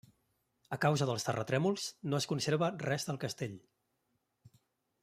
A causa dels terratrèmols no es conserva res del castell.